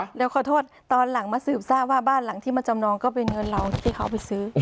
เดี๋ยวขอโทษตอนหลังมาสืบทราบว่าบ้านหลังที่มาจำนองก็เป็นเงินเราที่เขาเอาไปซื้อ